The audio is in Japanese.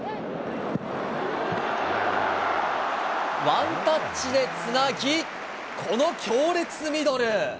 ワンタッチでつなぎ、この強烈ミドル。